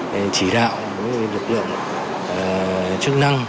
những cái chỉ đạo những cái lực lượng chức năng